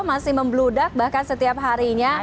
masih membludak bahkan setiap harinya